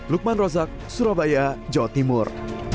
lukman rozak surabaya jawa timur